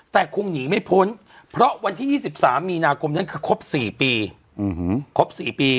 แต่คงหนีไม่พ้นเพราะวันที่ยี่สิบสามมีนาคมนั่นคือครบสี่ปี